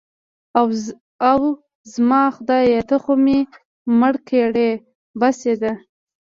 اوه، زما خدایه ته خو مې مړ کړې. بس يې ده.